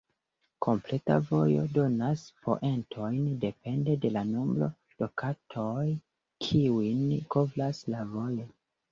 Kompleta vojo donas poentojn depende de la nombro de kartoj, kiujn kovras la vojo.